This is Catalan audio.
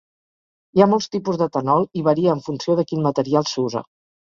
Hi ha molts tipus d'etanol i varia en funció de quin material s'usa.